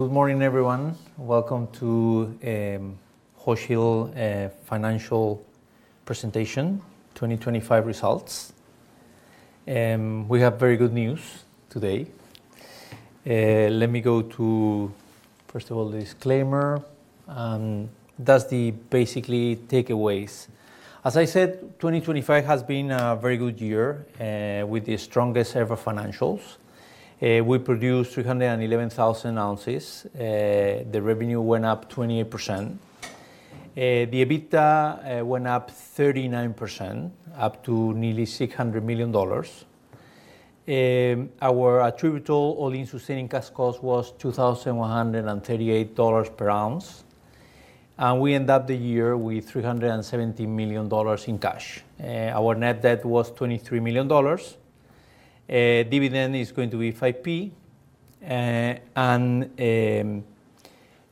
Good morning, everyone. Welcome to Hochschild financial presentation, 2025 results. We have very good news today. Let me go to first of all, disclaimer, and that's basically the takeaways. As I said, 2025 has been a very good year with the strongest ever financials. We produced 311,000 ounces. The revenue went up 28%. The EBITDA went up 39%, up to nearly $600 million. Our attributable all-in sustaining cost was $2,138 per ounce. We end up the year with $370 million in cash. Our net debt was $23 million. Dividend is going to be 5p.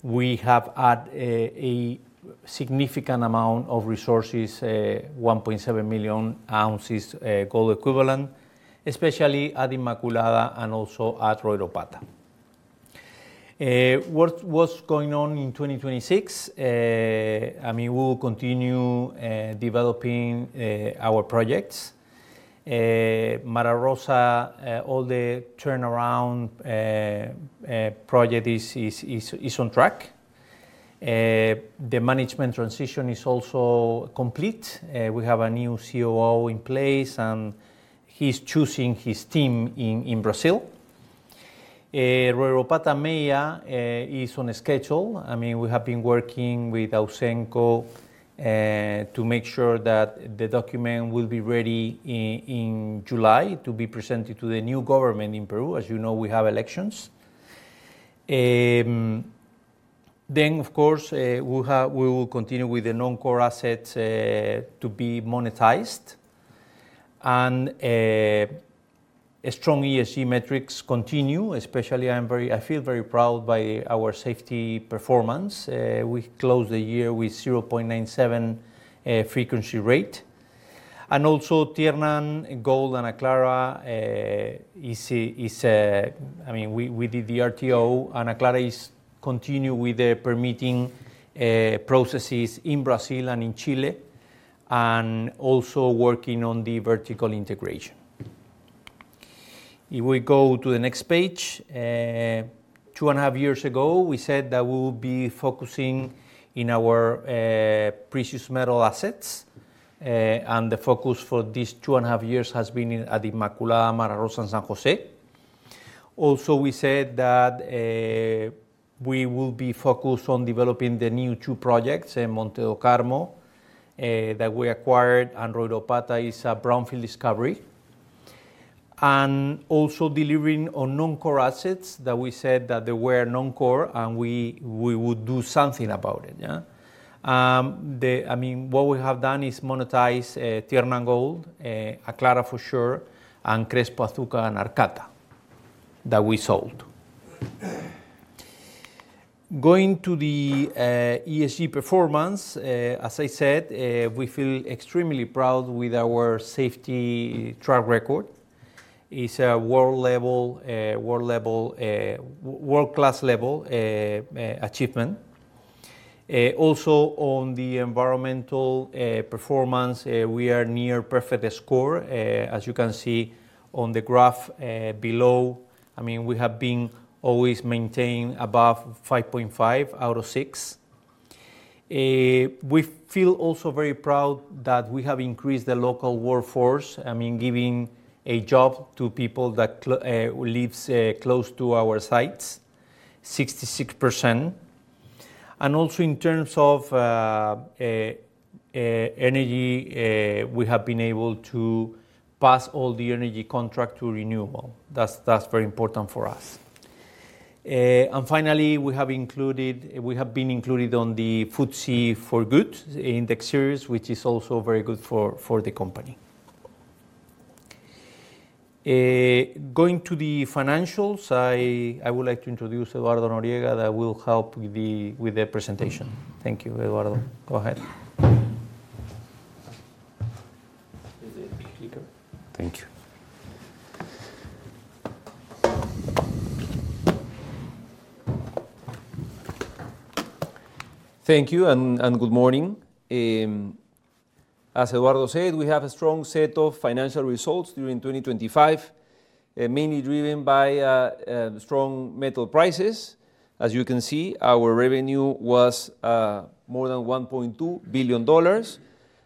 We have had a significant amount of resources, 1.7 million ounces gold equivalent, especially at Inmaculada and also at Royropata. What's going on in 2026? I mean, we'll continue developing our projects. Mara Rosa, all the turnaround project is on track. The management transition is also complete. We have a new COO in place, and he's choosing his team in Brazil. Royropata-Mía is on schedule. I mean, we have been working with Ausenco to make sure that the document will be ready in July to be presented to the new government in Peru. As you know, we have elections. We will continue with the non-core assets to be monetized. A strong ESG metrics continue, especially. I feel very proud of our safety performance. We closed the year with 0.97 frequency rate. Tiernan Gold and Aclara Resources, I mean we did the RTO and Aclara Resources is continuing with the permitting processes in Brazil and in Chile, and also working on the vertical integration. If we go to the next page, two and a half years ago, we said that we'll be focusing in our precious metal assets. The focus for these two and a f years has been in Inmaculada, Mara Rosa, and San José. We said that we will be focused on developing the new two projects in Monte do Carmo that we acquired and Royropata is a brownfield discovery. delivering on non-core assets that we said that they were non-core and we would do something about it, yeah. I mean, what we have done is monetize Tiernan Gold, Aclara for sure, and Crespo Azuca and Arcata that we sold. Going to the ESG performance, as I said, we feel extremely proud with our safety track record. It's a world-class level achievement. Also on the environmental performance, we are near perfect score. As you can see on the graph below. I mean, we have been always maintaining above 5.5 out of 6. We feel also very proud that we have increased the local workforce. I mean, giving a job to people that lives close to our sites, 66%. Also in terms of energy, we have been able to pass all the energy contract to renewable. That's very important for us. Finally, we have been included on the FTSE4Good index series, which is also very good for the company. Going to the financials, I would like to introduce Eduardo Noriega that will help with the presentation. Thank you, Eduardo. Go ahead. Is it bigger? Thank you. Thank you and good morning. As Eduardo said, we have a strong set of financial results during 2025, mainly driven by strong metal prices. As you can see, our revenue was more than $1.2 billion.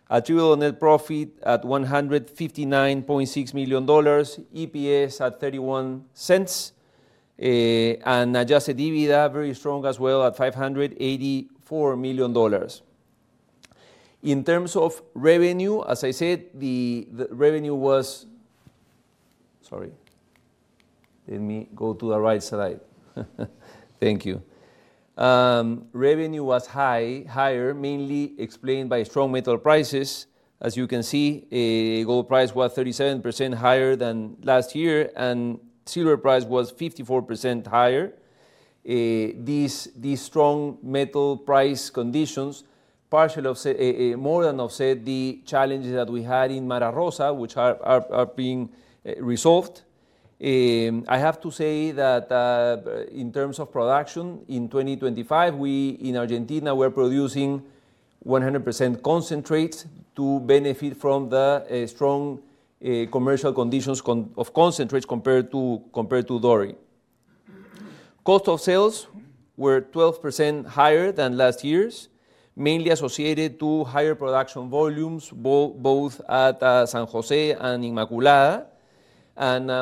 Attributable net profit at $159.6 million. EPS at $0.31. Adjusted EBITDA, very strong as well at $584 million. In terms of revenue, as I said, the revenue was higher, mainly explained by strong metal prices. Sorry. Let me go to the right slide. Thank you. As you can see, gold price was 37% higher than last year, and silver price was 54% higher. These strong metal price conditions more than offset the challenges that we had in Mara Rosa, which are being resolved. I have to say that in terms of production in 2025, we in Argentina were producing 100% concentrates to benefit from the strong commercial conditions of concentrates compared to Doré. Cost of sales were 12% higher than last year, mainly associated to higher production volumes both at San José and Inmaculada.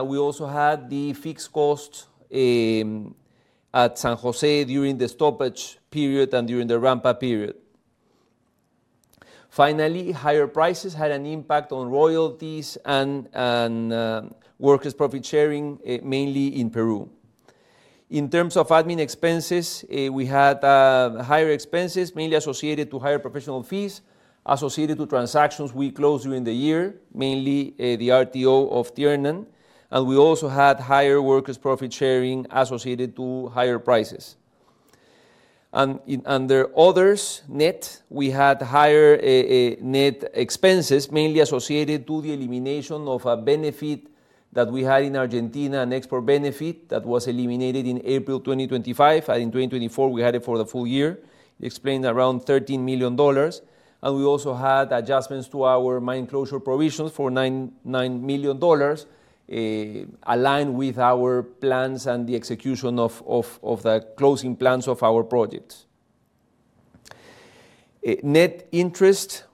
We also had the fixed costs at San José during the stoppage period and during the ramp-up period. Finally, higher prices had an impact on royalties and workers' profit sharing, mainly in Peru. In terms of admin expenses, we had higher expenses mainly associated to higher professional fees associated to transactions we closed during the year, mainly the RTO of Tiernan. We also had higher workers' profit sharing associated to higher prices. In others net, we had higher net expenses mainly associated to the elimination of a benefit that we had in Argentina, an export benefit that was eliminated in April 2025, and in 2024 we had it for the full year, explained around $13 million. We also had adjustments to our mine closure provisions for $9 million, aligned with our plans and the execution of the closing plans of our projects. Net interest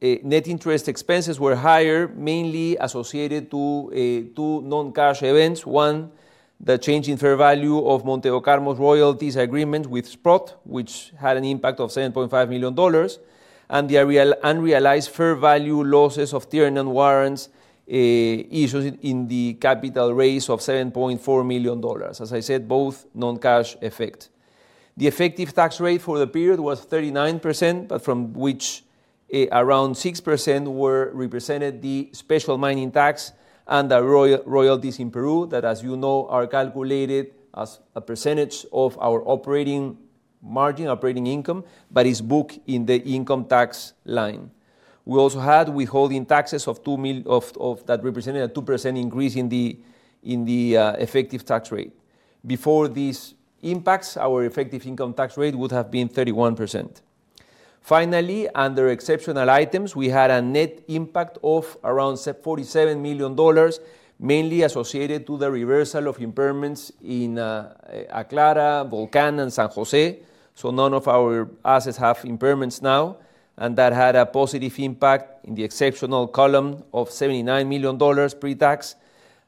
expenses were higher, mainly associated to two non-cash events. One, the change in fair value of Monte do Carmo's royalties agreement with Sprott, which had an impact of $7.5 million, and the unrealized fair value losses of Tiernan warrants issued in the capital raise of $7.4 million. As I said, both non-cash effect. The effective tax rate for the period was 39%, but from which, around 6% were represented the Special Mining Tax and the royalties in Peru that, as you know, are calculated as a percentage of our operating margin, operating income, but is booked in the income tax line. We also had withholding taxes of $2 million of that representing a 2% increase in the effective tax rate. Before these impacts, our effective income tax rate would have been 31%. Finally, under exceptional items, we had a net impact of around $47 million, mainly associated to the reversal of impairments in Aclara, Volcan, and San José. None of our assets have impairments now, and that had a positive impact in the exceptional column of $79 million pre-tax.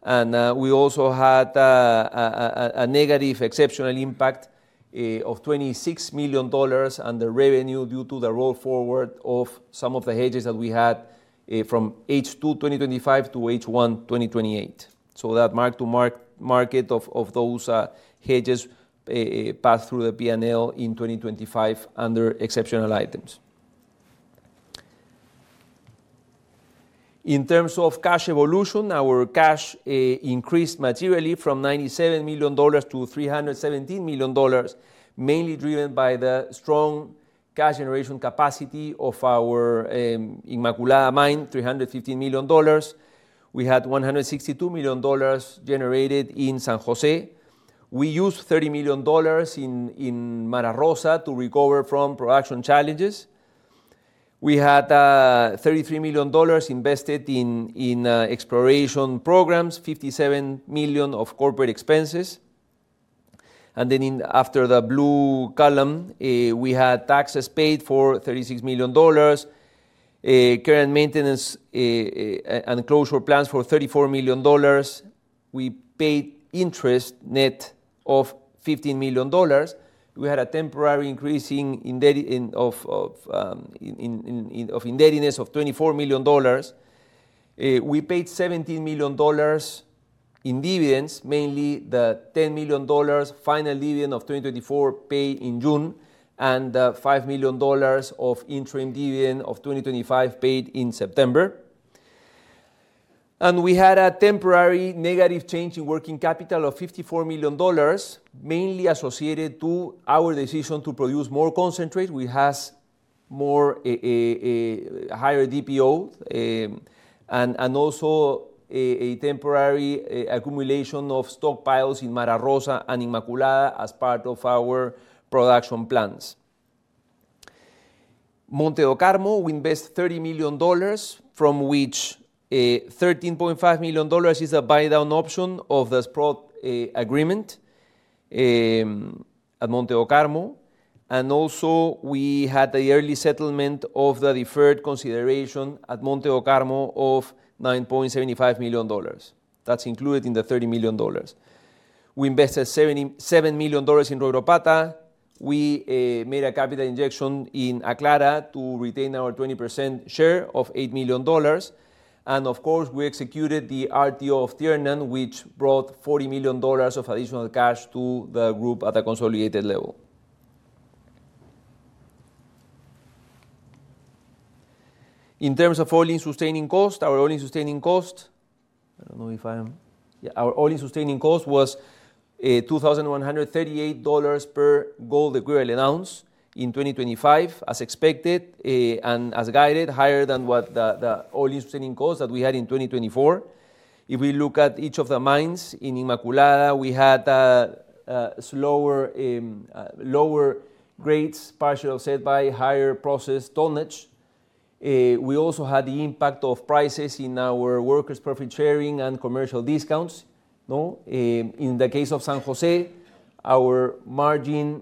We also had a negative exceptional impact of $26 million under revenue due to the roll forward of some of the hedges that we had from H2 2025 to H1 2028. That mark-to-market of those hedges passed through the P&L in 2025 under exceptional items. In terms of cash evolution, our cash increased materially from $97 million to $317 million, mainly driven by the strong cash generation capacity of our Inmaculada mine, $315 million. We had $162 million generated in San José. We used $30 million in Mara Rosa to recover from production challenges. We had $33 million invested in exploration programs, $57 million of corporate expenses. Then in after the blue column, we had taxes paid for $36 million, current maintenance, and closure plans for $34 million. We paid interest net of $15 million. We had a temporary increase in indebtedness of $24 million. We paid $17 million in dividends, mainly the $10 million final dividend of 2024 paid in June and the $5 million of interim dividend of 2025 paid in September. We had a temporary negative change in working capital of $54 million, mainly associated to our decision to produce more concentrate, which has a higher DPO, and a temporary accumulation of stockpiles in Mara Rosa and Inmaculada as part of our production plans. Monte do Carmo, we invest $30 million, from which $13.5 million is a buy-down option of the Sprott agreement at Monte do Carmo. We also had the early settlement of the deferred consideration at Monte do Carmo of $9.75 million. That's included in the $30 million. We invested $77 million in Royropata. We made a capital injection in Aclara to retain our 20% share of $8 million. Of course, we executed the RTO of Tiernan, which brought $40 million of additional cash to the group at a consolidated level. In terms of all-in sustaining cost, our all-in sustaining cost was $2,138 per gold equivalent ounce in 2025 as expected, and as guided higher than what the all-in sustaining cost that we had in 2024. If we look at each of the mines, in Inmaculada, we had lower grades, partially offset by higher processed tonnage. We also had the impact of prices in our workers' profit sharing and commercial discounts. No? In the case of San José,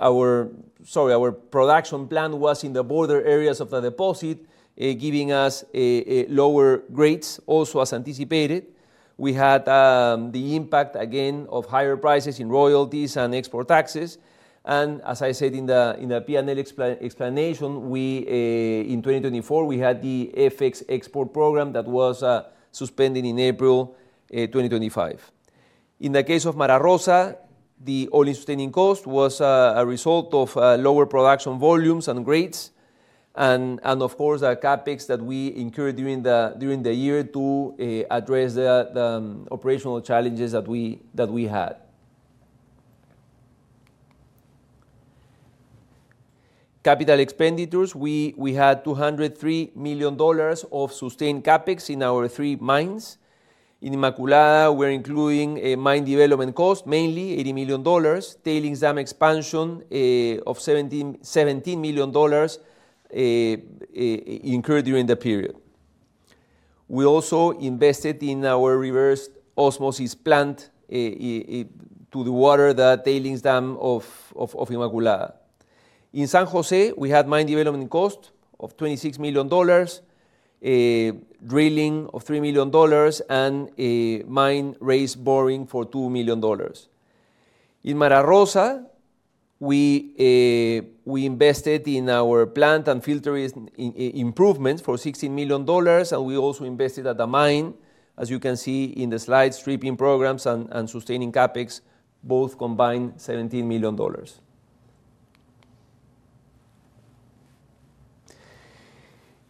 our production plan was in the border areas of the deposit, giving us lower grades also as anticipated. We had the impact again of higher prices in royalties and export taxes, and as I said in the P&L explanation, in 2024, we had the FX export program that was suspended in April 2025. In the case of Mara Rosa, the all-in sustaining cost was a result of lower production volumes and grades and of course, our CapEx that we incurred during the year to address the operational challenges that we had. Capital expenditures, we had $203 million of sustaining CapEx in our three mines. In Inmaculada, we're including a mine development cost, mainly $80 million, tailings dam expansion of $17 million incurred during the period. We also invested in our reverse osmosis plant to the water, the tailings dam of Inmaculada. In San José, we had mine development cost of $26 million, drilling of $3 million and a mine raise boring for $2 million. In Mara Rosa, we invested in our plant and filter improvements for $16 million, and we also invested at the mine, as you can see in the slide, stripping programs and sustaining CapEx both combined $17 million.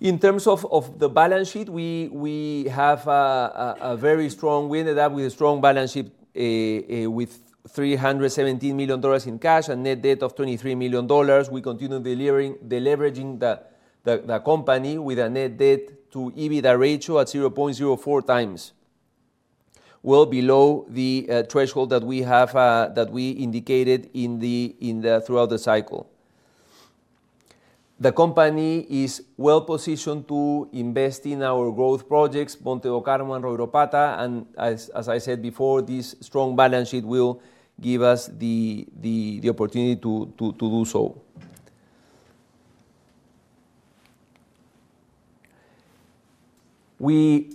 In terms of the balance sheet, we have a very strong. We ended up with a strong balance sheet, with $317 million in cash and net debt of $23 million. We continue delivering deleveraging the company with a net debt to EBITDA ratio at 0.04x. Well below the threshold that we indicated throughout the cycle. The company is well-positioned to invest in our growth projects, Monte do Carmo and Royropata, and as I said before, this strong balance sheet will give us the opportunity to do so.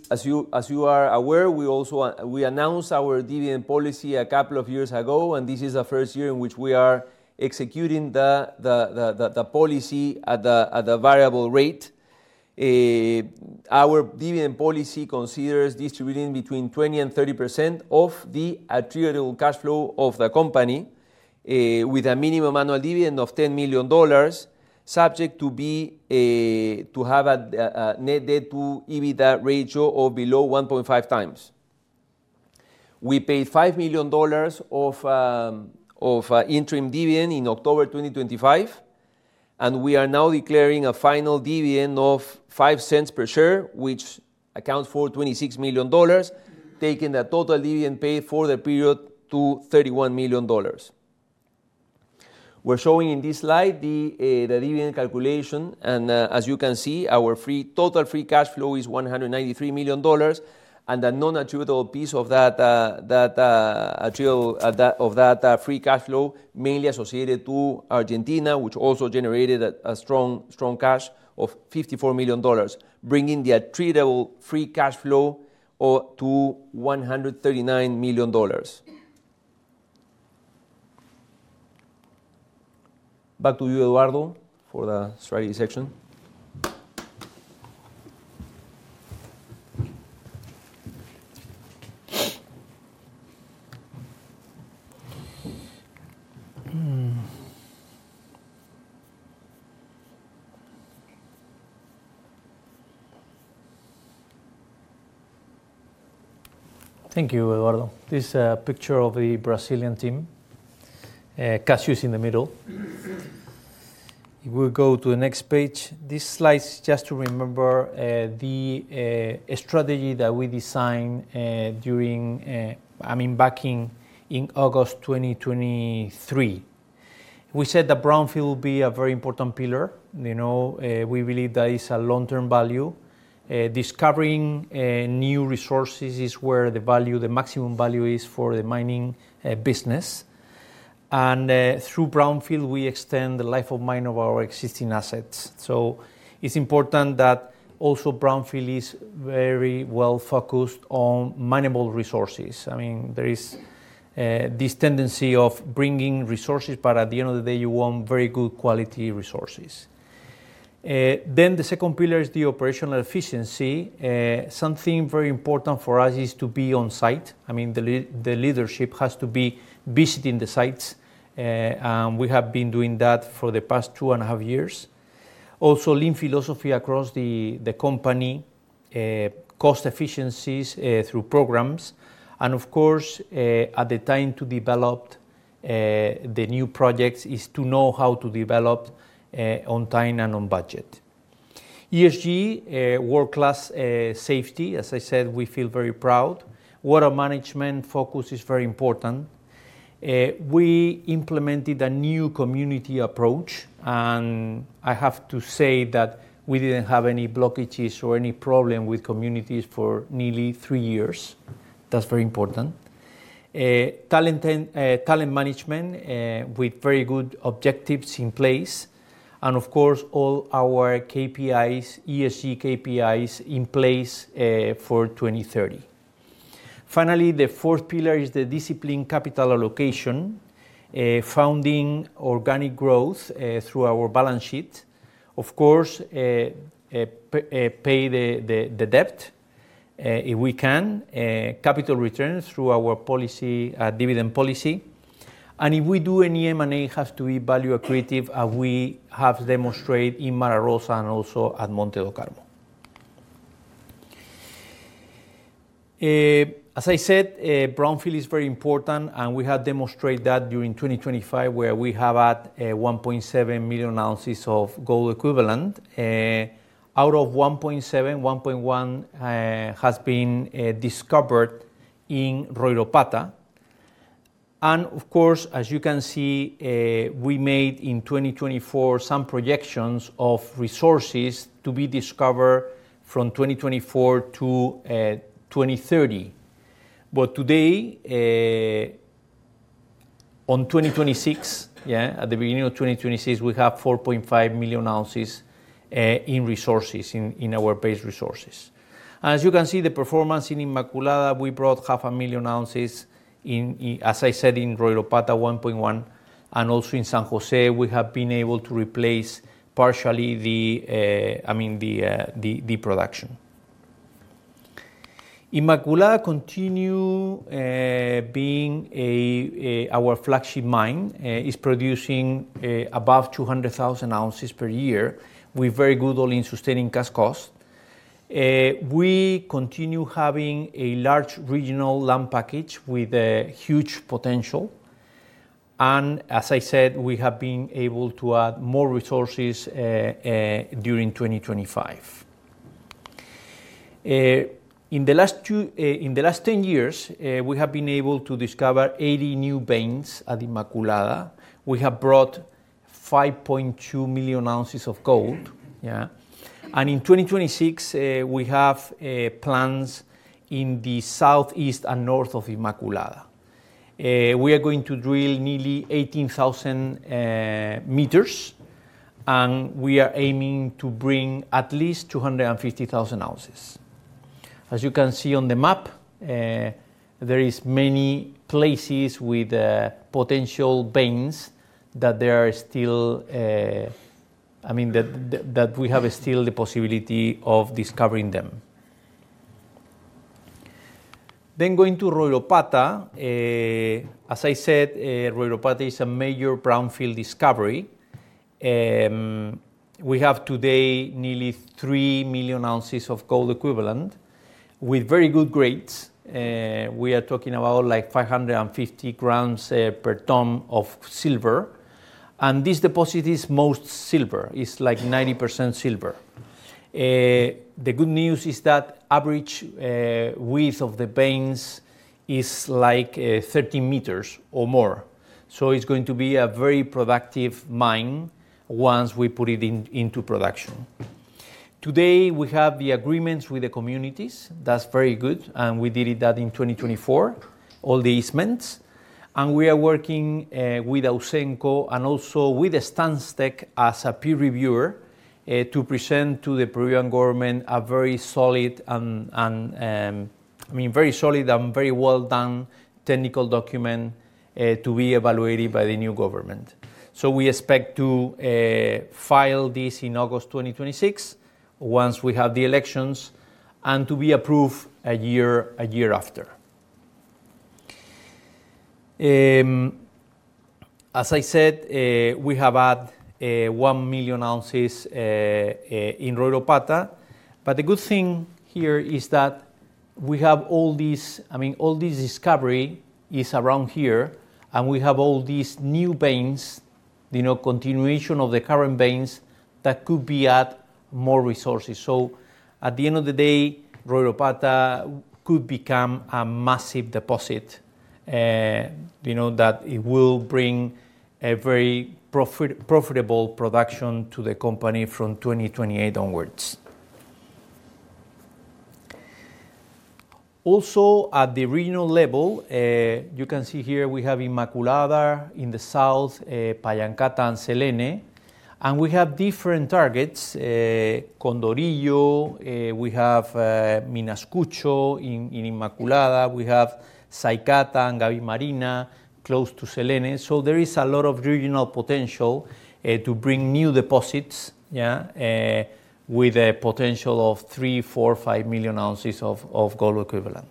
As you are aware, we also announced our dividend policy a couple of years ago, and this is the first year in which we are executing the policy at the variable rate. Our dividend policy considers distributing between 20%-30% of the attributable cash flow of the company, with a minimum annual dividend of $10 million, subject to have a net debt to EBITDA ratio of below 1.5x. We paid $5 million of interim dividend in October 2025, and we are now declaring a final dividend of $0.05 per share, which accounts for $26 million, taking the total dividend paid for the period to $31 million. We're showing in this slide the dividend calculation, and as you can see, our total free cash flow is $193 million and the non-attributable piece of that free cash flow mainly associated to Argentina, which also generated a strong cash of $54 million, bringing the attributable free cash flow to $139 million. Back to you, Eduardo, for the strategy section. Thank you, Eduardo. This is a picture of the Brazilian team. Cassius in the middle. If we go to the next page. This slide is just to remember the strategy that we designed during I mean, back in August 2023. We said that brownfield will be a very important pillar. You know, we believe that is a long-term value. Discovering new resources is where the value, the maximum value is for the mining business. Through brownfield, we extend the life of mine of our existing assets. It's important that also brownfield is very well-focused on mineable resources. I mean, there is this tendency of bringing resources, but at the end of the day, you want very good quality resources. Then the second pillar is the operational efficiency. Something very important for us is to be on site. I mean, the leadership has to be visiting the sites. We have been doing that for the past two and a half years. Also lean philosophy across the company. Cost efficiencies through programs. Of course, the time to develop the new projects is to know how to develop on time and on budget. ESG world-class safety, as I said, we feel very proud. Water management focus is very important. We implemented a new community approach, and I have to say that we didn't have any blockages or any problem with communities for nearly three years. That's very important. Talent and talent management with very good objectives in place and of course, all our KPIs, ESG KPIs in place for 2030. Finally, the fourth pillar is the disciplined capital allocation. Funding organic growth through our balance sheet. Of course, pay the debt if we can. Capital returns through our dividend policy. If we do any M&A it has to be value accretive, we have demonstrated in Mara Rosa and also at Monte do Carmo. As I said, brownfield is very important, and we have demonstrated that during 2025 where we have added 1.7 million ounces of gold equivalent. Out of 1.7, 1.1 has been discovered in Royropata. Of course, as you can see, we made in 2024 some projections of resources to be discovered from 2024 to 2030. Today, at the beginning of 2026, we have 4.5 million ounces in resources, in our base resources. As you can see the performance in Inmaculada, we brought 0.5 million ounces in, as I said, in Royropata 1.1. Also in San José, we have been able to replace partially, I mean, the production. Inmaculada continue being our flagship mine. It's producing above 200,000 ounces per year with very good all-in sustaining cash costs. We continue having a large regional land package with a huge potential. As I said, we have been able to add more resources during 2025. In the last two. In the last 10 years, we have been able to discover 80 new veins at Inmaculada. We have brought 5.2 million ounces of gold. In 2026, we have plans in the south, east, and north of Inmaculada. We are going to drill nearly 18,000 meters, and we are aiming to bring at least 250,000 ounces. As you can see on the map, there is many places with potential veins that there are still, I mean, that we have still the possibility of discovering them. Going to Royropata. As I said, Royropata is a major brownfield discovery. We have today nearly 3 million ounces of gold equivalent with very good grades. We are talking about, like, 550 grams per ton of silver. This deposit is most silver. It's, like, 90% silver. The good news is that average width of the veins is, like, 30 meters or more. It's going to be a very productive mine once we put it into production. Today, we have the agreements with the communities. That's very good, and we did that in 2024, all the easements. We are working with Ausenco and also with Stantec as a peer reviewer to present to the Peruvian government a very solid and I mean very solid and very well-done technical document to be evaluated by the new government. We expect to file this in August 2026 once we have the elections, and to be approved a year after. As I said, we have added 1 million ounces in Royropata. The good thing here is that we have all these. I mean, all this discovery is around here, and we have all these new veins, you know, continuation of the current veins that could be at more resources. At the end of the day, Royropata could become a massive deposit, you know, that it will bring a very profitable production to the company from 2028 onwards. Also at the regional level, you can see here we have Inmaculada. In the south, Pallancata and Selene. We have different targets. Condorillo. We have Minascucho in Inmaculada. We have Saycata and Gaby Marina close to Selene. There is a lot of regional potential to bring new deposits with a potential of 3-5 million ounces of gold equivalent.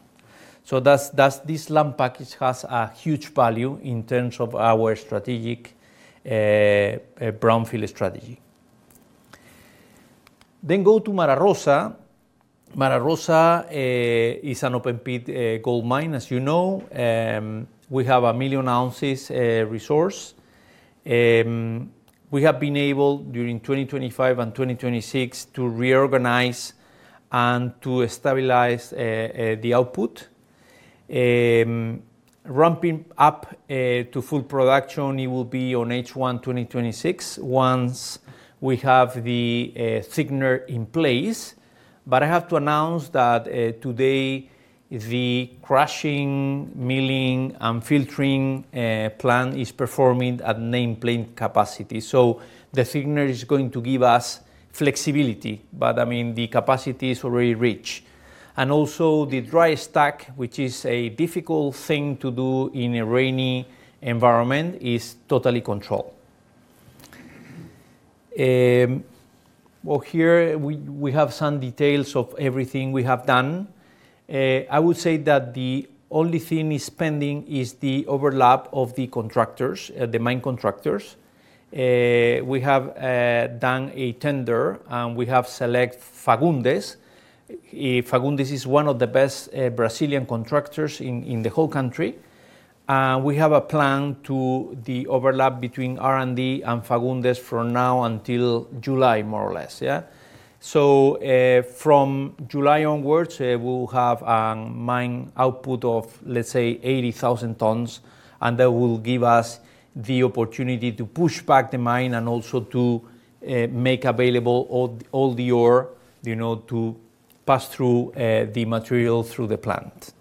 That's this land package has a huge value in terms of our strategic brownfield strategy. Go to Mara Rosa. Mara Rosa is an open pit gold mine, as you know. We have 1 million ounces resource. We have been able, during 2025 and 2026, to reorganize and to stabilize the output. Ramping up to full production, it will be in H1 2026 once we have the cyanide in place. I have to announce that today, the crushing, milling and filtering plant is performing at nameplate capacity. The cyanide is going to give us flexibility, but I mean, the capacity is already reached. The dry stack, which is a difficult thing to do in a rainy environment, is totally controlled. Here we have some details of everything we have done. I would say that the only thing pending is the overlap of the contractors, the mine contractors. We have done a tender, and we have selected Fagundes. Fagundes is one of the best Brazilian contractors in the whole country. We have a plan to the overlap between R&D and Fagundes from now until July, more or less, yeah? From July onwards, we'll have mine output of, let's say, 80,000 tons, and that will give us the opportunity to push back the mine and also to make available all the ore, you know, to pass through the material through the plant.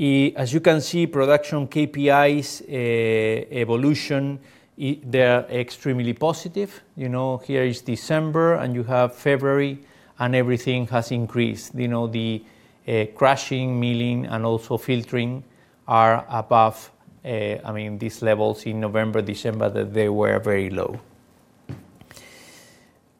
As you can see, production KPIs evolution, they're extremely positive. You know, here is December and you have February, and everything has increased. You know, the crushing, milling, and also filtering are above, I mean, these levels in November, December, that they were very low.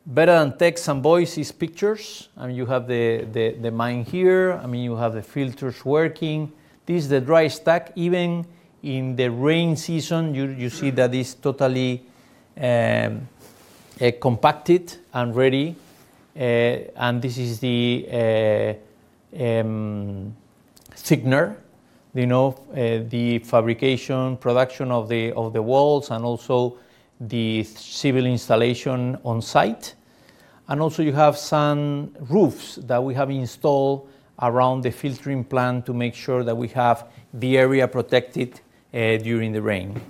Better than text and voice is pictures, and you have the mine here. I mean, you have the filters working. This is the dry stack. Even in the rainy season, you see that it's totally compacted and ready. This is the thickener. You know, the fabrication, production of the walls and also the civil installation on site. Also you have some roofs that we have installed around the filtering plant to make sure that we have the area protected during the rain.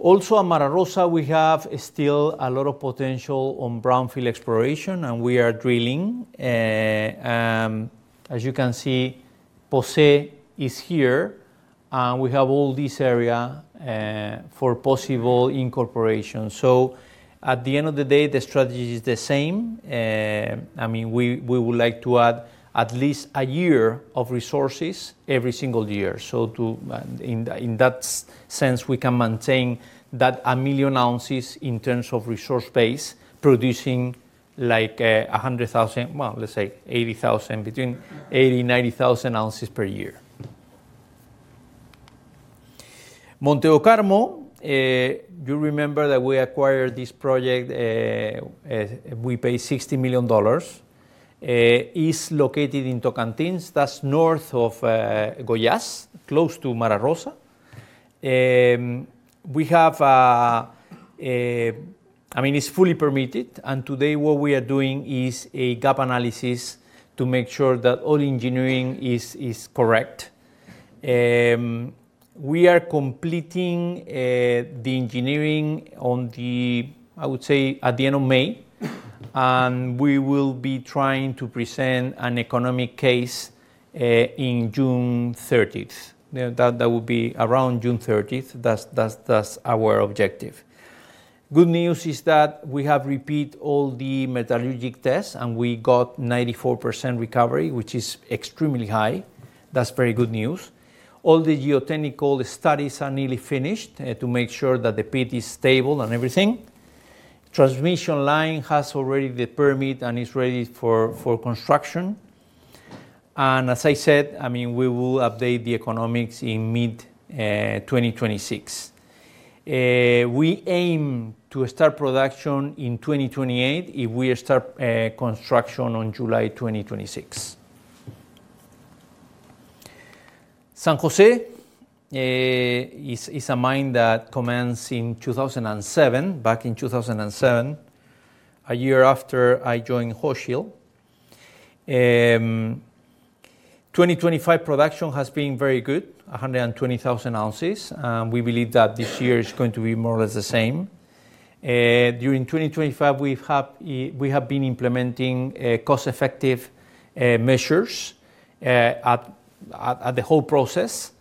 Also at Mara Rosa, we have still a lot of potential on brownfield exploration, and we are drilling. As you can see, Posse is here. We have all this area for possible incorporation. At the end of the day, the strategy is the same. I mean, we would like to add at least a year of resources every single year. In that sense, we can maintain 1 million ounces in terms of resource base, producing like 100,000. Well, let's say 80,000, between 80,000 and 90,000 ounces per year. Monte do Carmo, you remember that we acquired this project. We paid $60 million. It's located in Tocantins, that's north of Goiás, close to Mara Rosa. I mean, it's fully permitted, and today what we are doing is a gap analysis to make sure that all engineering is correct. We are completing the engineering on the, I would say, at the end of May. We will be trying to present an economic case in June 30. That will be around June 30. That's our objective. Good news is that we have repeated all the metallurgical tests, and we got 94% recovery, which is extremely high. That's very good news. All the geotechnical studies are nearly finished to make sure that the pit is stable and everything. Transmission line has already the permit and is ready for construction. I mean, we will update the economics in mid-2026. We aim to start production in 2028, if we start construction on July 2026. San José is a mine that commenced in 2007, back in 2007, a year after I joined Hochschild. 2025 production has been very good, 120,000 ounces. We believe that this year is going to be more or less the same. During 2025, we have been implementing cost-effective measures at the whole process.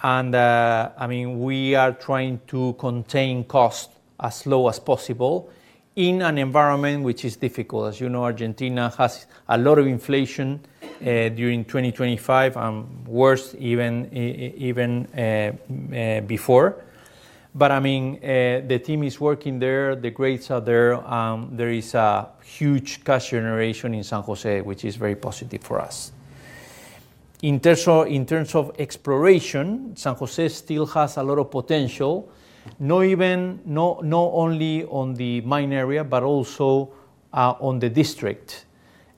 I mean, we are trying to contain costs as low as possible in an environment which is difficult. As you know, Argentina has a lot of inflation during 2025, worse even before. I mean, the team is working there, the grades are there is a huge cash generation in San José, which is very positive for us. In terms of exploration, San José still has a lot of potential, not only on the mine area, but also on the district.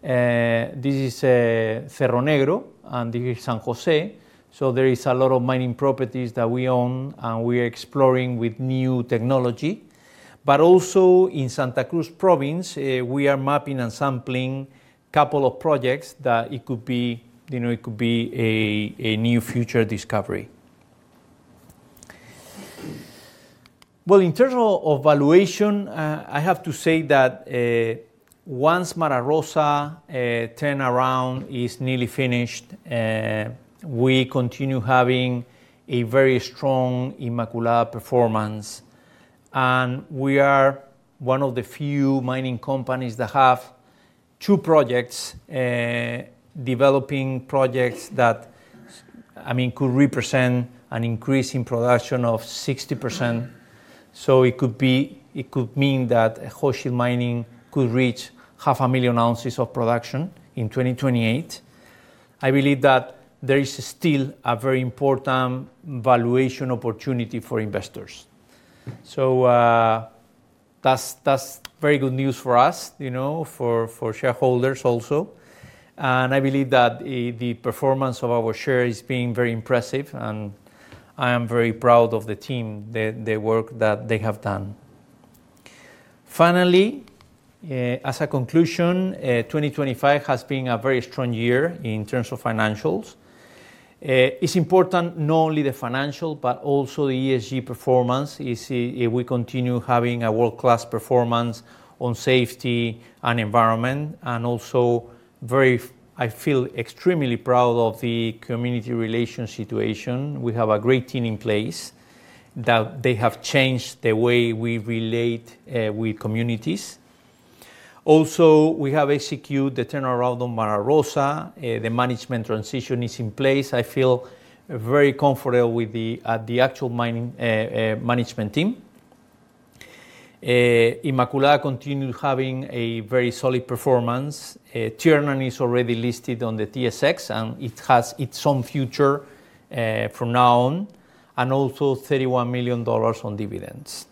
This is Cerro Negro and this is San José, so there is a lot of mining properties that we own, and we are exploring with new technology. Also in Santa Cruz Province, we are mapping and sampling couple of projects that could be, you know, it could be a new future discovery. Well, in terms of of valuation, I have to say that once Mara Rosa turnaround is nearly finished, we continue having a very strong Inmaculada performance. We are one of the few mining companies that have two projects, developing projects that, I mean, could represent an increase in production of 60%. It could be, it could mean that Hochschild Mining could reach 500,000 ounces of production in 2028. I believe that there is still a very important valuation opportunity for investors. That's very good news for us, you know, for shareholders also. I believe that the performance of our share is being very impressive, and I am very proud of the team, the work that they have done. Finally, as a conclusion, 2025 has been a very strong year in terms of financials. It's important not only the financial, but also the ESG performance, you see, we continue having a world-class performance on safety and environment, and also I feel extremely proud of the community relations situation. We have a great team in place that they have changed the way we relate with communities. Also, we have executed the turnaround on Mara Rosa. The management transition is in place. I feel very confident with the actual mining management team. Inmaculada continue having a very solid performance. Tiernan is already listed on the TSX, and it has its own future from now on, and also $31 million on dividends.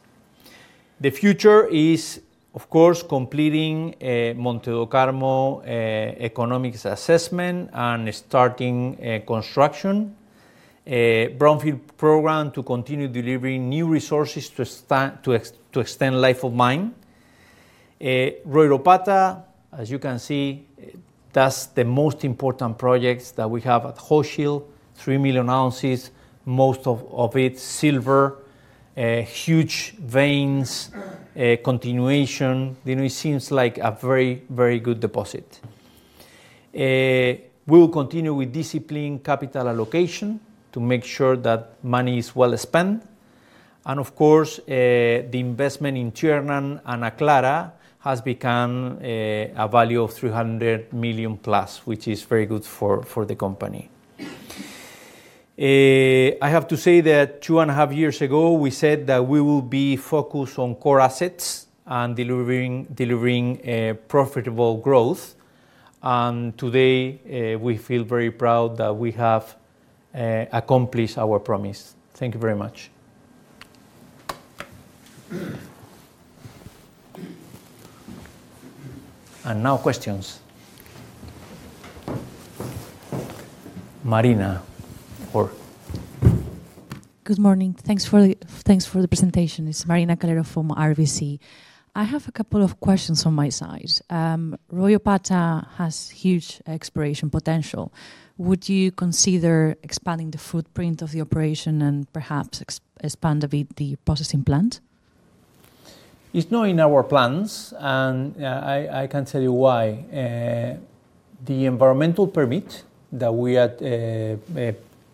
The future is, of course, completing a Monte do Carmo economic assessment and starting construction. A brownfield program to continue delivering new resources to extend life of mine. Royropata, as you can see, that's the most important projects that we have at Hochschild, 3 million ounces, most of it silver. Huge veins, a continuation. You know, it seems like a very, very good deposit. We will continue with disciplined capital allocation to make sure that money is well-spent. Of course, the investment in Tiernan and Aclara has become a value of $300 million+, which is very good for the company. I have to say that two and a half years ago, we said that we will be focused on core assets and delivering profitable growth. Today, we feel very proud that we have accomplished our promise. Thank you very much. Now questions. Marina, or. Good morning. Thanks for the presentation. It's Marina Calero from RBC. I have a couple of questions on my side. Royropata has huge exploration potential. Would you consider expanding the footprint of the operation and perhaps expand a bit the processing plant? It's not in our plans, and I can tell you why. The environmental permit that we are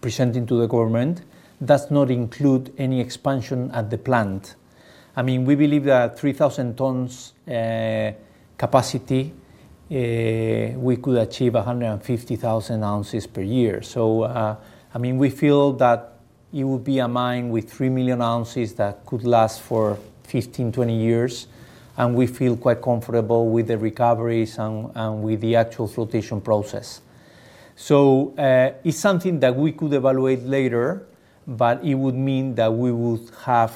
presenting to the government does not include any expansion at the plant. I mean, we believe that 3,000 tons capacity we could achieve 150,000 ounces per year. I mean, we feel that it would be a mine with 3 million ounces that could last for 15-20 years, and we feel quite comfortable with the recoveries and with the actual flotation process. It's something that we could evaluate later, but it would mean that we would have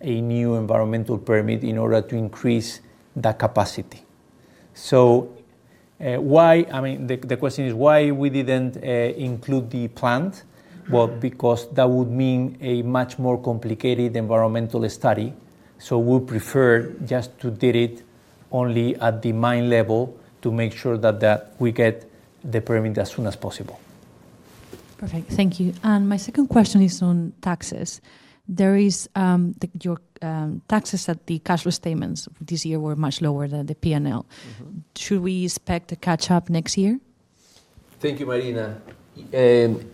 a new environmental permit in order to increase the capacity. Why I mean, the question is why we didn't include the plant. Well, because that would mean a much more complicated environmental study. We prefer just to do it only at the mine level to make sure that we get the permit as soon as possible. Perfect. Thank you. My second question is on taxes. Your taxes in the cash flow statement this year were much lower than the P&L. Mm-hmm. Should we expect a catch-up next year? Thank you, Marina.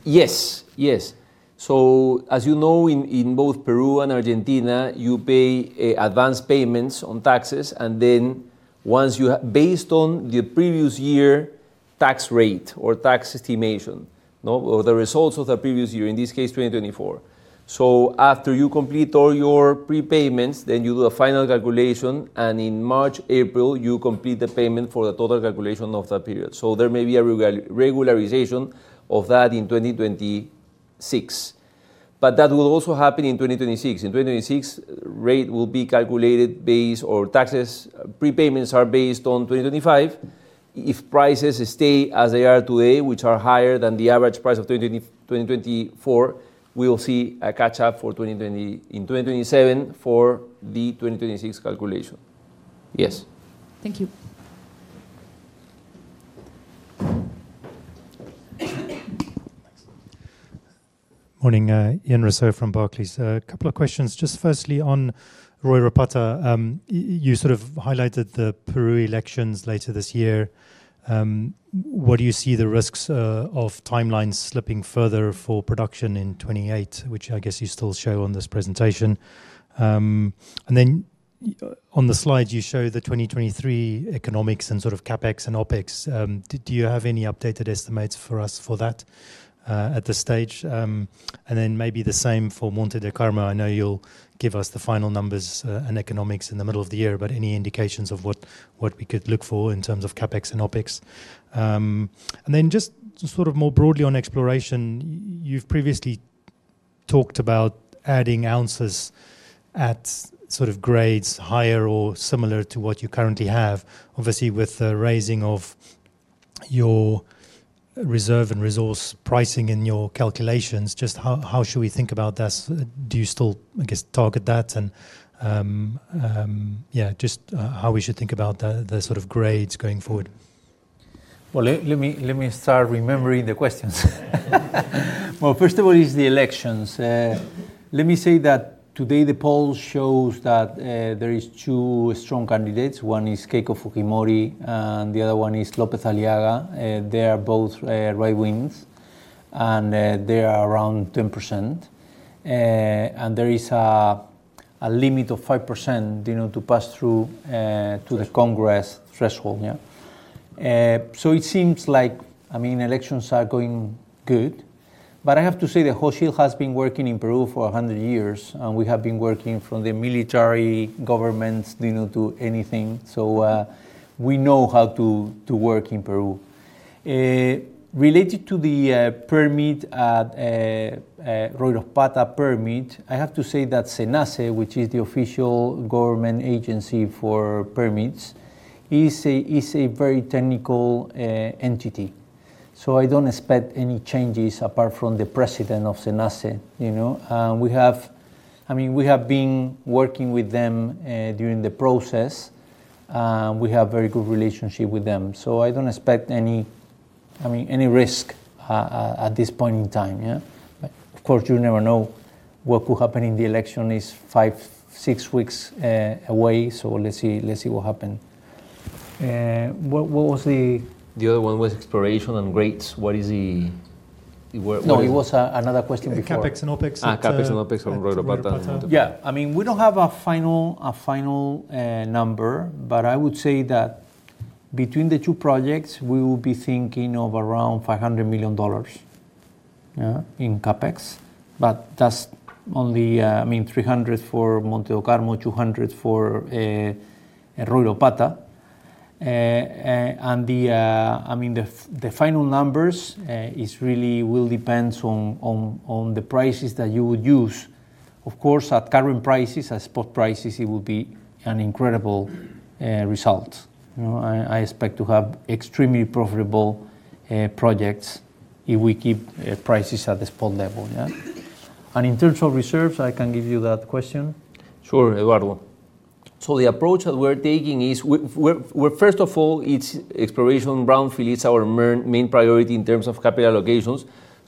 Yes. As you know, in both Peru and Argentina, you pay advanced payments on taxes, and then once you have based on the previous year. Tax rate or tax estimation. No? The results of the previous year, in this case, 2024. After you complete all your prepayments, then you do a final calculation, and in March, April, you complete the payment for the total calculation of that period. There may be a regularization of that in 2026. That will also happen in 2026. In 2026, rate will be calculated based on taxes. Prepayments are based on 2025. If prices stay as they are today, which are higher than the average price of 2020, 2024, we will see a catch-up for 2020 in 2027 for the 2026 calculation. Yes. Thank you. Morning. Ian Rossouw from Barclays. A couple of questions. Just firstly on Royropata. You sort of highlighted the Peru elections later this year. What do you see the risks of timelines slipping further for production in 2028, which I guess you still show on this presentation? And then on the slide, you show the 2023 economics and sort of CapEx and OpEx. Do you have any updated estimates for us for that at this stage? And then maybe the same for Monte do Carmo. I know you'll give us the final numbers and economics in the middle of the year, but any indications of what we could look for in terms of CapEx and OpEx? Just sort of more broadly on exploration, you've previously talked about adding ounces at sort of grades higher or similar to what you currently have. Obviously, with the raising of your reserve and resource pricing in your calculations, just how should we think about this? Do you still, I guess, target that and, yeah, just how we should think about the sort of grades going forward. Well, let me start remembering the questions. First of all is the elections. Let me say that today the polls shows that there are two strong candidates. One is Keiko Fujimori, and the other one is López Aliaga. They are both right wings, and they are around 10%. There is a limit of 5%, you know, to pass through to the Congress threshold. It seems like, I mean, elections are going good. I have to say that Hochschild has been working in Peru for 100 years, and we have been working from the military governments, you know, to anything. We know how to work in Peru. Related to the permit at Royropata permit, I have to say that Senace, which is the official government agency for permits, is a very technical entity. I don't expect any changes apart from the president of Senace, you know. I mean, we have been working with them during the process. We have very good relationship with them. I don't expect any, I mean, risk at this point in time, yeah. Of course, you never know what could happen in the election is five to six weeks away. Let's see what happen. What was the- The other one was exploration and grades. Where is- No, it was another question before. CapEx and OpEx at, CapEx and OpEx on Royropata.... at Royropata. Yeah. I mean, we don't have a final number, but I would say that between the two projects, we will be thinking of around $500 million, yeah, in CapEx. But that's only, I mean, $300 million for Monte do Carmo, $200 million for Royropata. And the, I mean, the final numbers is really will depends on the prices that you would use. Of course, at current prices, at spot prices, it will be an incredible result. You know, I expect to have extremely profitable projects if we keep prices at the spot level, yeah. In terms of reserves, I can give you that question. Sure, Eduardo. The approach that we're taking is, first of all, brownfield exploration is our main priority in terms of capital allocations.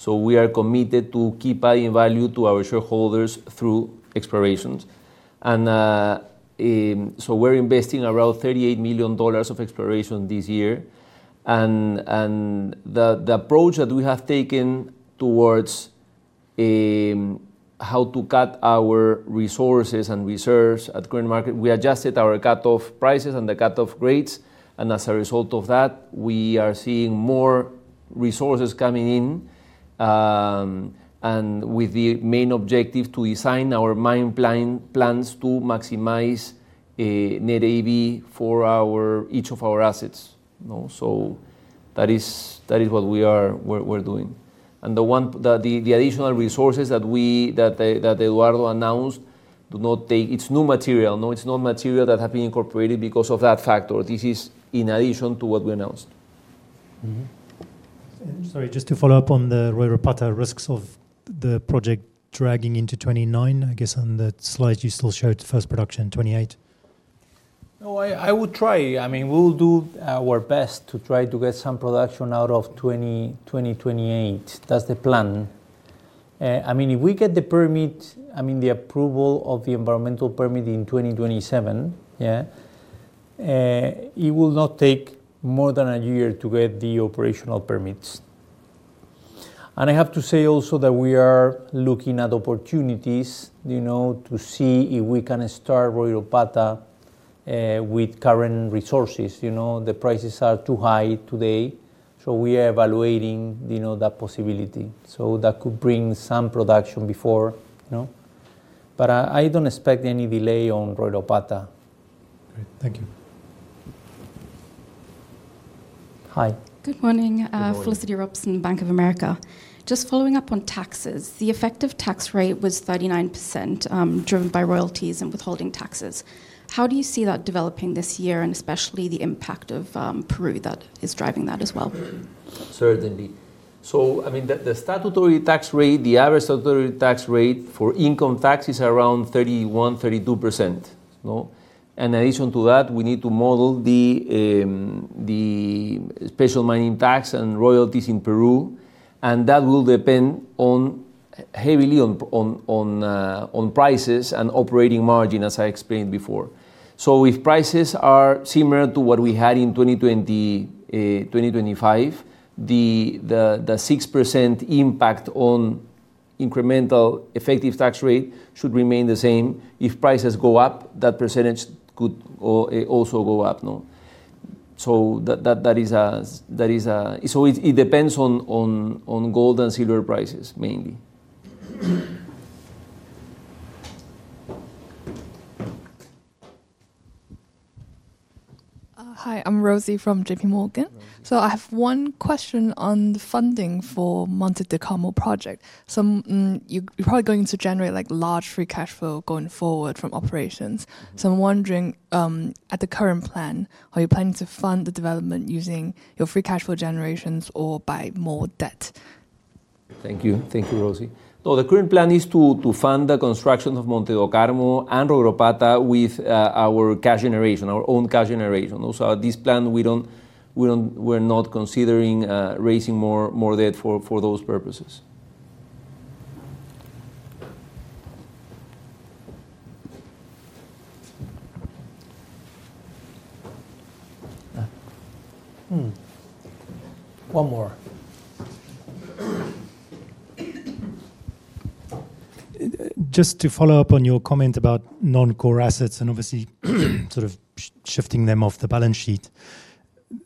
We are committed to keep adding value to our shareholders through explorations. We're investing around $38 million in exploration this year. The approach that we have taken towards how to cut our resources and reserves at current market, we adjusted our cutoff prices and the cutoff grades. As a result of that, we are seeing more resources coming in, and with the main objective to design our mine plans to maximize net NPV for each of our assets. That is what we're doing. The additional resources that Eduardo announced do not take... It's new material. No, it's not material that have been incorporated because of that factor. This is in addition to what we announced. Sorry, just to follow up on the Royropata risks of the project dragging into 2029. I guess on that slide, you still showed first production 2028. No, I would try. I mean, we'll do our best to try to get some production out of 2028. That's the plan. I mean, if we get the permit, I mean, the approval of the environmental permit in 2027, it will not take more than a year to get the operational permits. I have to say also that we are looking at opportunities, you know, to see if we can start Royropata with current resources. You know, the prices are too high today, so we are evaluating, you know, that possibility. That could bring some production before, you know. I don't expect any delay on Royropata. Great. Thank you. Hi. Good morning. Good morning. Felicity Robson, Bank of America. Just following up on taxes. The effective tax rate was 39%, driven by royalties and withholding taxes. How do you see that developing this year, and especially the impact of Peru that is driving that as well? Certainly. I mean, the statutory tax rate, the average statutory tax rate for income tax is around 31, 32%. No? In addition to that, we need to model the Special Mining Tax and royalties in Peru, and that will depend heavily on prices and operating margin, as I explained before. If prices are similar to what we had in 2020, 2025, the 6% impact on incremental effective tax rate should remain the same. If prices go up, that percentage could also go up. No? It depends on gold and silver prices mainly. Hi, I'm Rosie from JPMorgan. Hello. I have one question on the funding for Monte do Carmo project. You're probably going to generate like large free cash flow going forward from operations. I'm wondering, at the current plan, are you planning to fund the development using your free cash flow generations or by more debt? Thank you. Thank you, Rosie. No, the current plan is to fund the construction of Monte do Carmo and Royropata with our cash generation, our own cash generation. Also in this plan, we're not considering raising more debt for those purposes. One more. Just to follow up on your comment about non-core assets and obviously sort of shifting them off the balance sheet.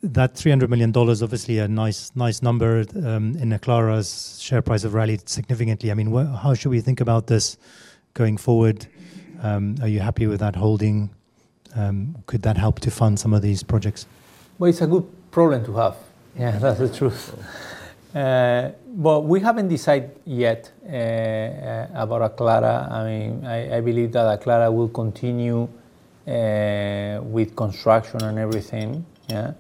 That $300 million obviously a nice number in Aclara's share price have rallied significantly. I mean, how should we think about this going forward? Are you happy with that holding? Could that help to fund some of these projects? Well, it's a good problem to have. Yeah, that's the truth. We haven't decided yet about Aclara. I mean, I believe that Aclara will continue with construction and everything. Yeah.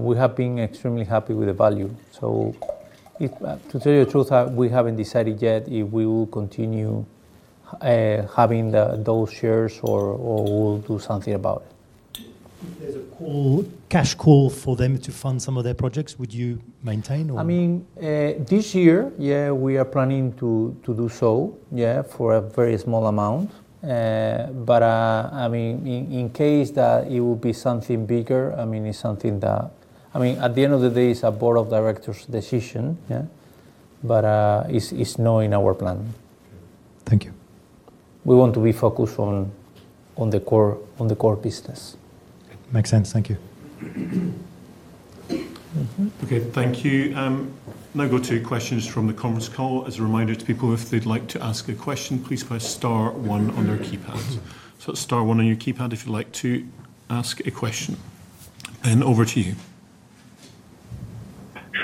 We have been extremely happy with the value. To tell you the truth, we haven't decided yet if we will continue having those shares or we'll do something about it. If there's a call, cash call for them to fund some of their projects, would you maintain or? I mean, this year, yeah, we are planning to do so, yeah, for a very small amount. I mean, in case that it would be something bigger, I mean, it's something that I mean, at the end of the day, it's a board of directors' decision. Yeah. It's not in our plan. Thank you. We want to be focused on the core business. Makes sense. Thank you. Okay, thank you. Now go to questions from the conference call. As a reminder to people, if they'd like to ask a question, please press star one on your keypad. Star one on your keypad if you'd like to ask a question. Over to you.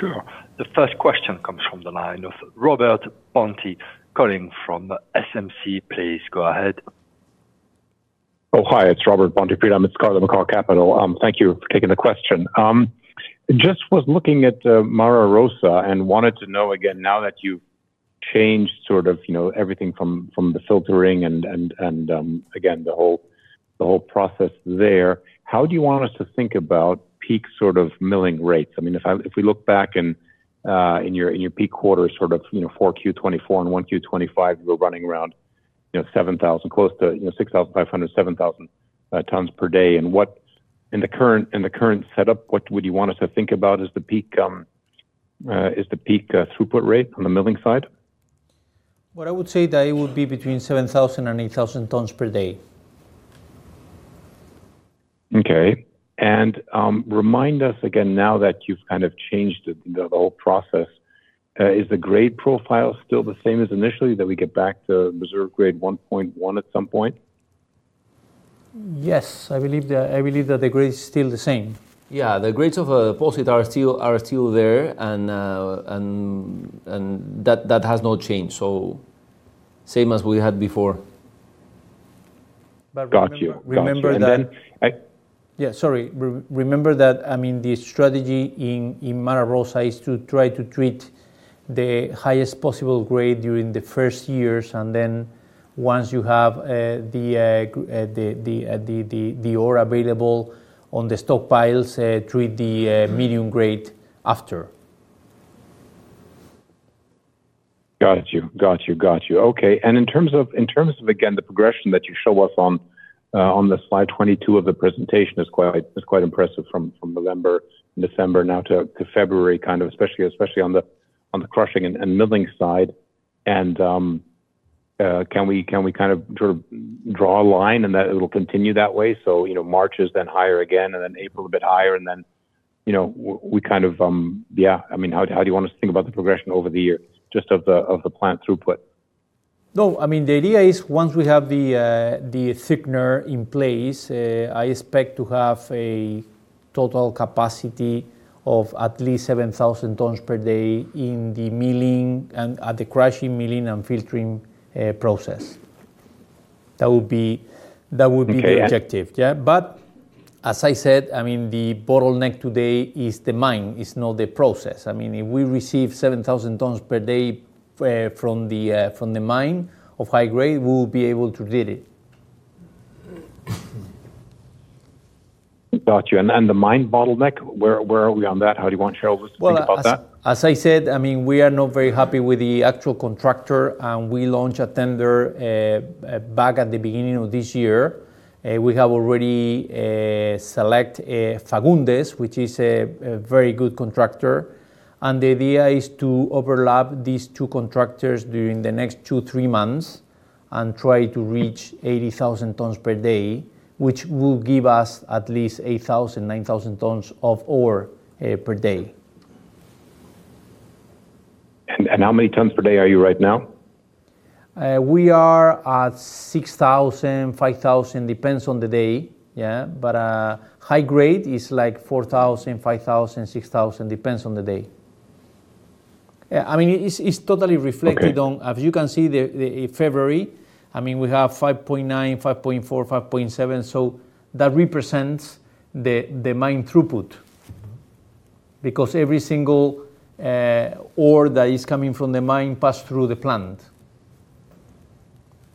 Sure. The first question comes from the line of Robert Ponti calling from SMC. Please go ahead. Oh, hi. It's Robert Ponti from Cormark Capital. Thank you for taking the question. Just was looking at Mara Rosa and wanted to know again, now that you've changed sort of, you know, everything from the filtering and again the whole process there, how do you want us to think about peak sort of milling rates? I mean, if we look back in your peak quarters, sort of, you know, 4Q24 and 1Q25, we're running around, you know, 7,000, close to, you know, 6,500, 7,000 tons per day. What in the current setup, what would you want us to think about as the peak throughput rate on the milling side? Well, I would say that it would be between 7,000 and 8,000 tons per day. Okay. Remind us again, now that you've kind of changed the whole process, is the grade profile still the same as initially, that we get back to reserve grade 1.1 at some point? Yes. I believe that the grade is still the same. Yeah. The grades of deposit are still there and that has not changed. Same as we had before. Got you. Remember that. And then I- Sorry. Remember that, I mean, the strategy in Mara Rosa is to try to treat the highest possible grade during the first years, and then once you have the ore available on the stockpiles, treat the medium grade after. Got you. Okay. In terms of again the progression that you show us on the slide 22 of the presentation is quite impressive from November December now to February kind of especially on the crushing and milling side. Can we kind of sort of draw a line and that it'll continue that way? You know March is then higher again and then April a bit higher. You know we kind of Yeah I mean how do you want us to think about the progression over the year just of the plant throughput? No, I mean, the idea is once we have the thickener in place, I expect to have a total capacity of at least 7,000 tons per day in the milling and at the crushing, milling, and filtering process. That would be the objective. Okay. Yeah. As I said, I mean, the bottleneck today is the mine. It's not the process. I mean, if we receive 7,000 tons per day from the mine of high grade, we will be able to do it. Got you. The mine bottleneck, where are we on that? Shall we think about that? Well, as I said, I mean, we are not very happy with the actual contractor, and we launched a tender back at the beginning of this year. We have already selected Fagundes, which is a very good contractor. The idea is to overlap these two contractors during the next two, three months and try to reach 80,000 tons per day, which will give us at least 8,000-9,000 tons of ore per day. How many tons per day are you right now? We are at 6,000, 5,000, depends on the day, yeah? High grade is like 4,000, 5,000, 6,000, depends on the day. Yeah, I mean, it's totally reflected on. Okay. As you can see the February, I mean, we have 5.9, 5.4, 5.7. So that represents the mine throughput. Because every single ore that is coming from the mine pass through the plant.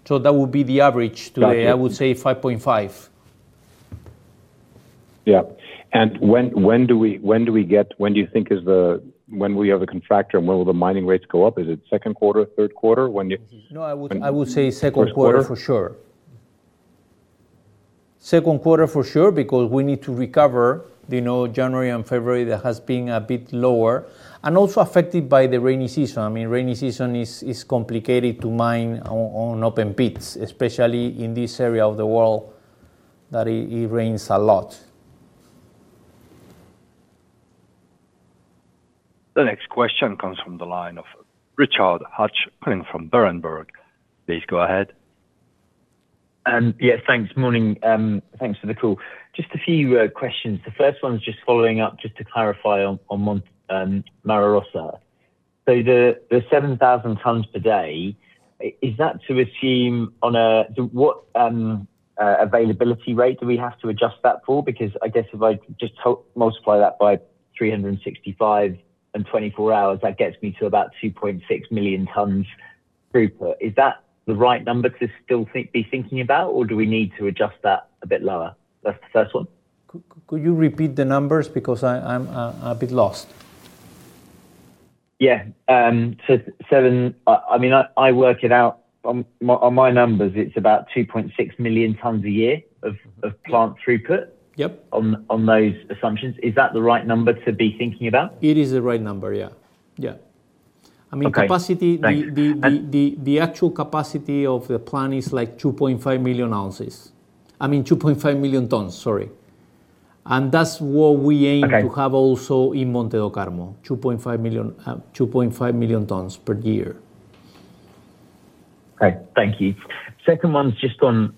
So that would be the average today. Got it. I would say 5.5. When we have a contractor, when will the mining rates go up? Is it second quarter, third quarter? No, I would say second quarter for sure. First quarter? Second quarter for sure because we need to recover. You know, January and February, that has been a bit lower. Also affected by the rainy season. I mean, rainy season is complicated to mine on open pits, especially in this area of the world that it rains a lot. The next question comes from the line of Richard Hatch from Berenberg. Please go ahead. Yeah, thanks. Morning, thanks for the call. Just a few questions. The first one is just following up just to clarify on Mara Rosa. So the 7,000 tons per day, is that to assume on a... What availability rate do we have to adjust that for? Because I guess if I just multiply that by 365 and 24 hours, that gets me to about 2.6 million tons throughput. Is that the right number to still think, be thinking about, or do we need to adjust that a bit lower? That's the first one. Could you repeat the numbers because I'm a bit lost? Yeah, I mean, I work it out on my numbers. It's about 2.6 million tons a year of plant throughput. Yep. On those assumptions. Is that the right number to be thinking about? It is the right number. Yeah. Yeah. Okay. I mean. Thank you. The actual capacity of the plant is like 2.5 million ounces. I mean, 2.5 million tons. Sorry. That's what we aim- Okay. to have also in Monte do Carmo, 2.5 million tons per year. Okay. Thank you. Second one is just on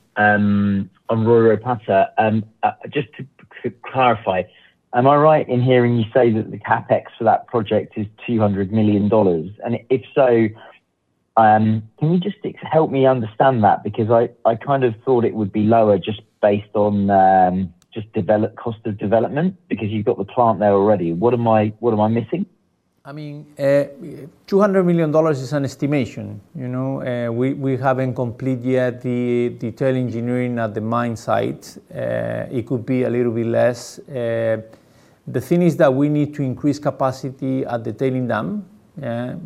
Royropata. Just to clarify, am I right in hearing you say that the CapEx for that project is $200 million? If so, can you just help me understand that? Because I kind of thought it would be lower just based on just development cost of development because you've got the plant there already. What am I missing? I mean, $200 million is an estimation, you know. We haven't completed yet the detailed engineering at the mine site. It could be a little bit less. The thing is that we need to increase capacity at the tailings dam.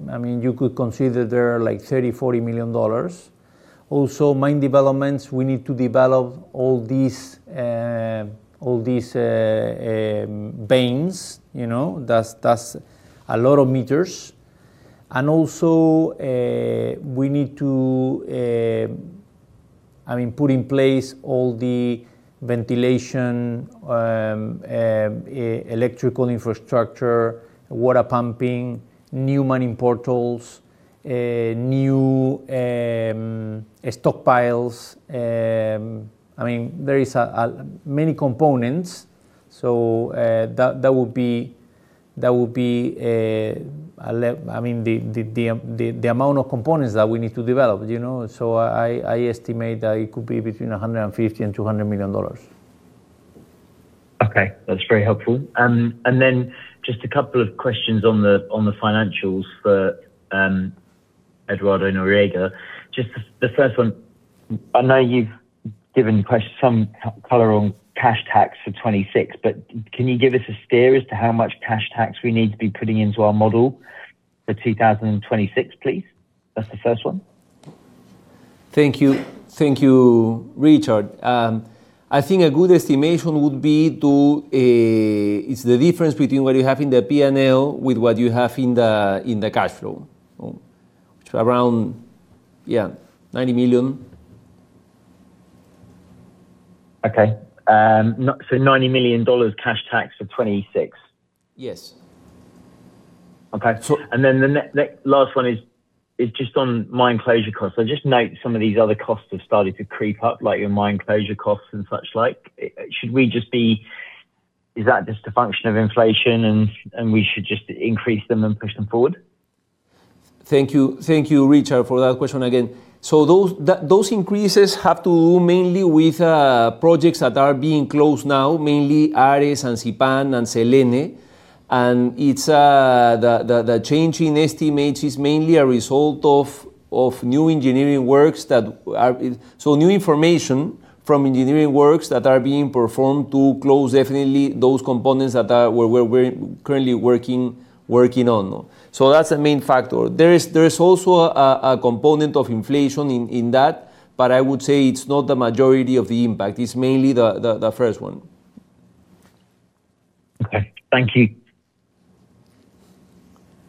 I mean, you could consider there are like $30-$40 million. Mine developments, we need to develop all these veins, you know. That's a lot of meters. We need to put in place all the ventilation, electrical infrastructure, water pumping, new mining portals, new stockpiles. I mean, there are many components. That would be the amount of components that we need to develop, you know. I estimate that it could be between $150 million and $200 million. Okay. That's very helpful. Just a couple of questions on the financials for Eduardo Noriega. Just the first one. I know you've given some color on cash tax for 2026, but can you give us a steer as to how much cash tax we need to be putting into our model for 2026, please? That's the first one. Thank you. Thank you, Richard. I think a good estimation would be it's the difference between what you have in the P&L with what you have in the cash flow. Around, yeah, $90 million. $90 million cash tax for 2026? Yes. Okay. So- The last one is just on mine closure costs. I just note some of these other costs have started to creep up, like your mine closure costs and such like. Is that just a function of inflation and we should just increase them and push them forward? Thank you. Thank you, Richard, for that question again. Those increases have to do mainly with projects that are being closed now, mainly Ares and Sipán and Selene. It's the change in estimates is mainly a result of new information from engineering works that are being performed to close definitely those components that we're currently working on. That's the main factor. There is also a component of inflation in that, but I would say it's not the majority of the impact. It's mainly the first one. Okay. Thank you.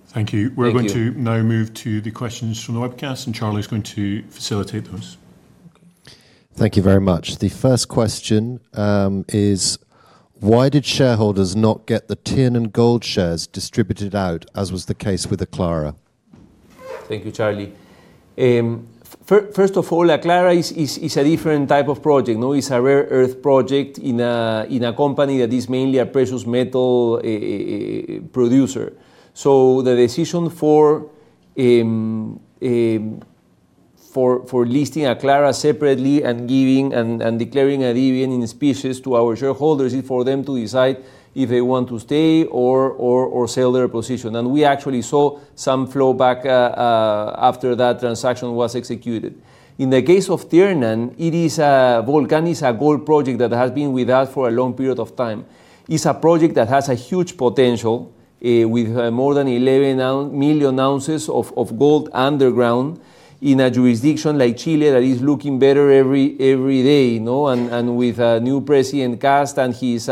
Thank you. Thank you. We're going to now move to the questions from the webcast, and Charlie's going to facilitate those. Okay. Thank you very much. The first question is why did shareholders not get the Tiernan Gold shares distributed out, as was the case with Aclara? Thank you, Charlie. First of all, Aclara is a different type of project, no? It's a rare earth project in a company that is mainly a precious metal producer. The decision for listing Aclara separately and giving and declaring a dividend in specie to our shareholders is for them to decide if they want to stay or sell their position. We actually saw some flow back after that transaction was executed. In the case of Tiernan, Volcan is a gold project that has been with us for a long period of time. It's a project that has a huge potential with more than 11 million ounces of gold underground in a jurisdiction like Chile that is looking better every day, you know. With a new President Kast and his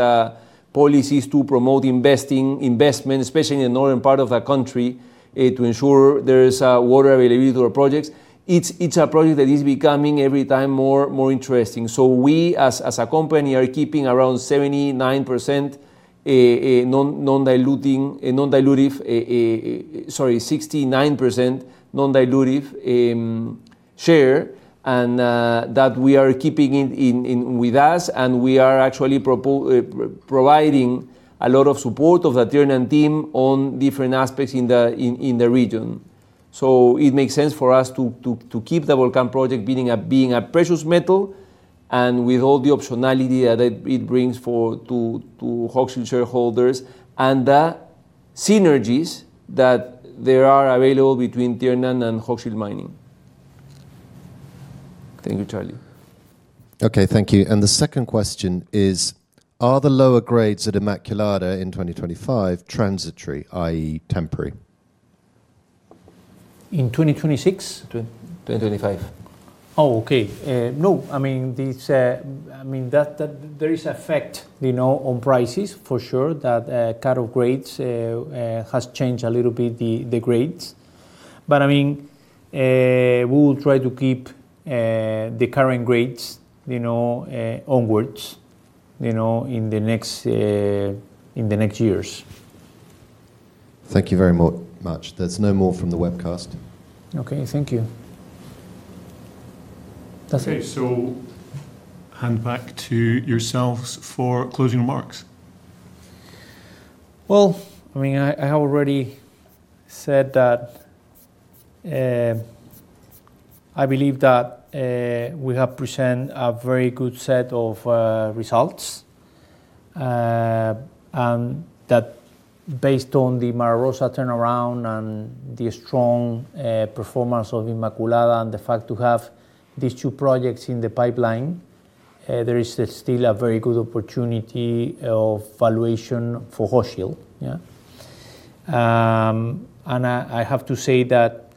policies to promote investment, especially in the northern part of the country, to ensure there is water availability to our projects. It's a project that is becoming every time more interesting. We as a company are keeping around 79%, non-dilutive, sorry, 69% non-dilutive share and that we are keeping it with us, and we are actually providing a lot of support of the Tiernan team on different aspects in the region. It makes sense for us to keep the Volcan project being a precious metal and with all the optionality that it brings to Hochschild shareholders and the synergies that there are available between Tiernan and Hochschild Mining. Thank you, Charlie. Okay. Thank you. The second question is, are the lower grades at Inmaculada in 2025 transitory, i.e., temporary? In 2026? 2025. No. I mean that there is effect, you know, on prices for sure that cut-off grades has changed a little bit the grades. I mean, we will try to keep the current grades, you know, onwards, you know, in the next years. Thank you very much. There's no more from the webcast. Okay. Thank you. That's it. Okay. Hand back to yourselves for closing remarks. Well, I mean, I already said that I believe that we have presented a very good set of results. That based on the Mara Rosa turnaround and the strong performance of Inmaculada and the fact that we have these two projects in the pipeline, there is still a very good opportunity for valuation for Hochschild. Yeah. I have to say that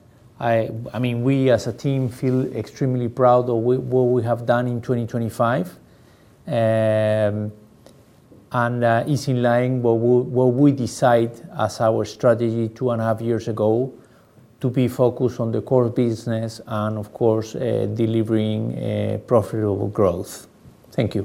I mean, we as a team feel extremely proud of what we have done in 2025. It is in line with what we decided as our strategy 2.5 years ago to be focused on the core business and of course delivering profitable growth. Thank you.